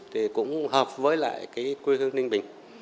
thì cũng hợp với lại cái quê hương ninh bình